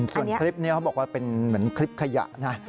ส่วนคลิปนี้เขาบอกว่าเป็นเหมือนคลิปขยะนะ